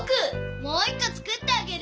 もう１個作ってあげる。